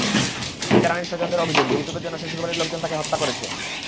রিতা রানীর স্বজনদের অভিযোগ, যৌতুকের জন্য শ্বশুরবাড়ির লোকজন তাঁকে হত্যা করেছে।